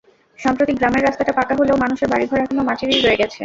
সম্প্রতি গ্রামের রাস্তাটা পাকা হলেও মানুষের বাড়িঘর এখনো মাটিরই রয়ে গেছে।